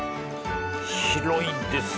広いですね！